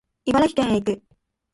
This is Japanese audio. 茨城県へ行く